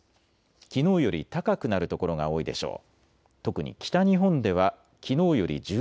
きのうより高くなる所が多いでしょう。